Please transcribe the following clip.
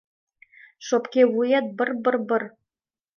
Шопке вует — быр-быр-быр